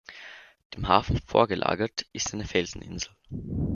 Dem Hafen vorgelagert ist eine Felseninsel.